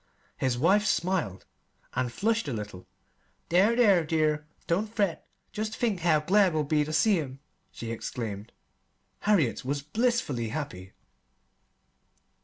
His wife smiled, and flushed a little. "There, there, dear! don't fret. Jest think how glad we'll be ter see 'em!" she exclaimed. Harriet was blissfully happy.